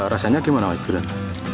rasanya gimana mas durian